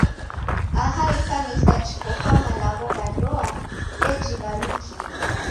Aha Ikanisa jiko kwa malagho gha ndoa ndejighalukie.